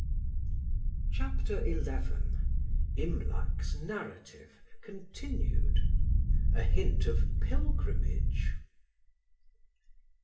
CHAPTER XI IMLAC'S NARRATIVE (continued)—A HINT OF PILGRIMAGE.